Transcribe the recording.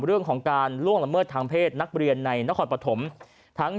เรื่องของการล่วงละเมิดทางเพศนักเรียนในนครปฐมทั้ง